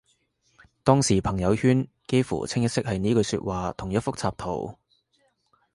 當時朋友圈幾乎清一色係呢句說話同一幅插圖